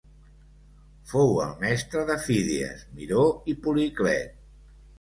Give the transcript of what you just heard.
Fou el mestre de Fídies, Miró i Policlet.